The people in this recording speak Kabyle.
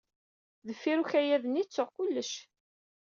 Deffir ukayad-nni, ttuɣ kullec.